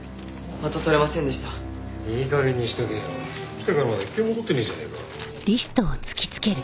来てからまだ１件も取ってねえじゃねえか。